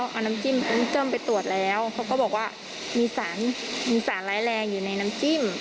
เอาน้ำจิ้มไปตรวจแล้วเขาก็บอกว่ามีสารมีสารร้ายแรงอยู่ในน้ำจิ้ม